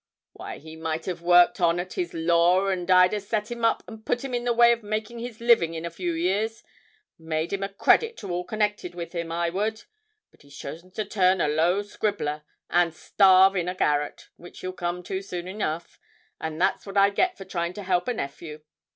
Why, he might have worked on at his law, and I'd a' set him up and put him in the way of making his living in a few years; made him a credit to all connected with him, I would! But he's chosen to turn a low scribbler, and starve in a garret, which he'll come to soon enough, and that's what I get for trying to help a nephew.